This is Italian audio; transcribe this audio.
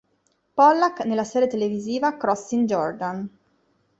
Pollack nella serie televisiva "Crossing Jordan".